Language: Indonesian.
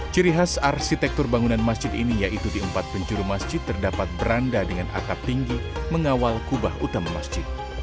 ciri khas arsitektur bangunan masjid ini yaitu di empat penjuru masjid terdapat beranda dengan atap tinggi mengawal kubah utama masjid